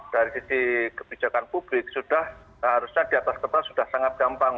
dari sisi kebijakan publik sudah harusnya di atas kertas sudah sangat gampang